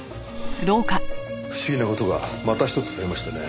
不思議な事がまたひとつ増えましたね。